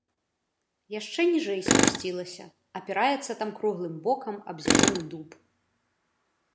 Яшчэ ніжэй спусцілася, апіраецца там круглым бокам аб зялёны дуб.